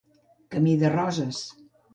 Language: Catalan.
Camí de roses